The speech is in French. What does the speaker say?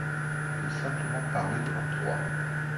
J’ai simplement parlé de l’emploi.